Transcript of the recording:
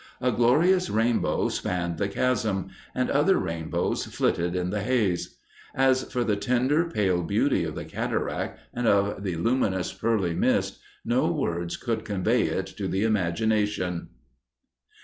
A glorious rainbow spanned the Chasm, and other rainbows flitted in the haze. As for the tender, pale beauty of the Cataract and of the luminous, pearly mist, no words could convey it to the imagination."